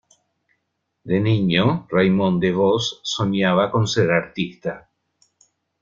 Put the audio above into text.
De niño, Raymond Devos soñaba con ser artista.